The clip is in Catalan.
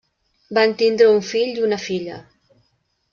Van tindre un fill i una filla.